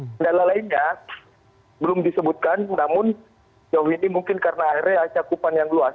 kendala lainnya belum disebutkan namun jauh ini mungkin karena akhirnya cakupan yang luas